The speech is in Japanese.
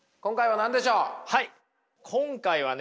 今回はね